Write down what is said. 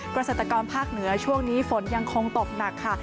เกษตรกรภาคเหนือช่วงนี้ฝนยังคงตกหนักค่ะ